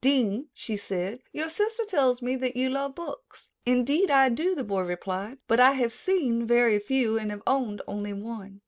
"Dean," she said, "your sister tells me that you love books." "Indeed I do," the boy replied, "but I have seen very few and have owned only one."